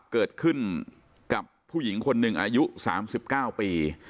เกิดขึ้นกับผู้หญิงคนหนึ่งอายุ๓๙ปี